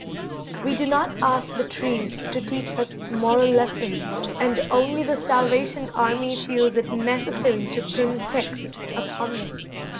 We do not ask the trees to teach us moral lessons, and only the Salvation Army feels it necessary to pin texts upon them.